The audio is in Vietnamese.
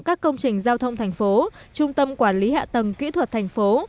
các công trình giao thông thành phố trung tâm quản lý hạ tầng kỹ thuật thành phố